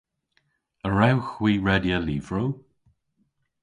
A wrewgh hwi redya lyvrow?